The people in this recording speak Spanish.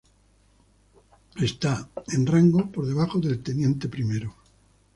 Está, en rango, por debajo del de teniente primero.